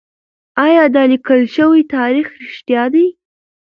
ايا دا ليکل شوی تاريخ رښتيا دی؟